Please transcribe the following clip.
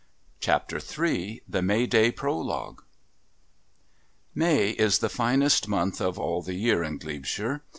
Chapter III The May day Prologue May is the finest month of all the year in Glebeshire.